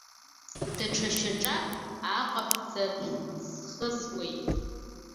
Даҽа шьаҿак ааҟабҵар схысуеит!